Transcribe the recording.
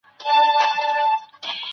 ما مخکي د سبا لپاره د نوټونو ليکل کړي وو.